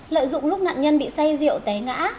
lợi dụng lúc nạn nhân bị say rượu té ngã